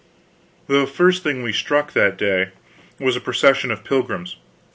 The first thing we struck that day was a procession of pilgrims.